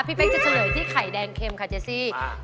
พี่เฟคจะเฉลยที่ไข่แดงเค็มค่ะเจสซี่